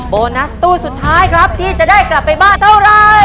โบนัสตู้สุดท้ายครับที่จะได้กลับไปบ้านเท่าไร